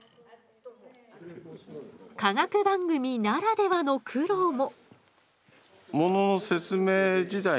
科学番組ならではの苦労も。